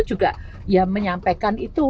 juga ya menyampaikan itu